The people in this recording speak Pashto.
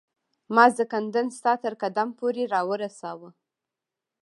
ما زکندن ستا تر قدم پوري را ورساوه